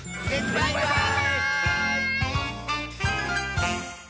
バイバーイ！